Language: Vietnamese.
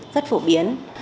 rất phổ biến